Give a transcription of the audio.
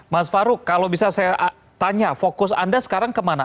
mas farouk kalau bisa saya tanya fokus anda sekarang kemana